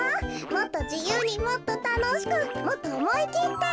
もっとじゆうにもっとたのしくもっとおもいきって。